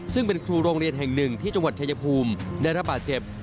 ซึ่งเป็นครูโรงเรียนแห่งหนึ่งที่จังหวัดชายภูมิได้รับบาดเจ็บ